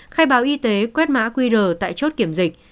khai báo y tế quét mã qr tại chốt kiểm dịch